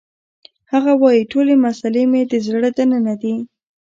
هغه وایی ټولې مسلې مې د زړه دننه دي